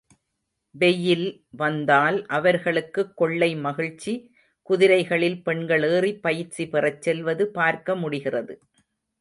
வெய்யில் வந்தால் அவர்களுக்குக் கொள்ளை மகிழ்ச்சி குதிரைகளில் பெண்கள் ஏறிப் பயிற்சி பெறச் செல்வது பார்க்க முடிகிறது.